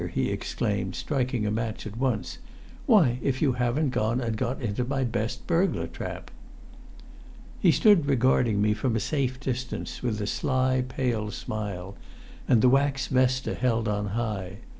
he exclaimed, striking a match at once. "Why, if you haven't gone and got into my best burglar trap!" He stood regarding me from a safe distance, with a sly pale smile, and the wax vesta held on high.